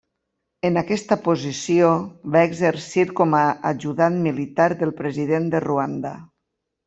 En aquesta posició, va exercir com a ajudant militar del president de Ruanda.